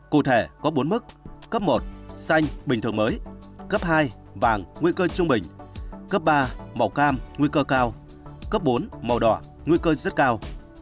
cụ thể có bốn mức cấp một xanh bình thường mới cấp hai vàng nguy cơ trung bình cấp ba màu cam nguy cơ cao cấp bốn màu đỏ nguy cơ rất cao